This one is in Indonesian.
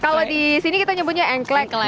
kalau di sini kita nyebutnya engklek